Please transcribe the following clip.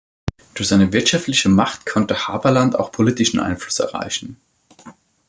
Durch seine wirtschaftliche Macht konnte Haberland auch politischen Einfluss erreichen.